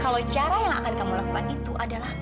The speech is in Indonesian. kalau cara yang akan kamu lakukan itu adalah